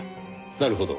なるほど。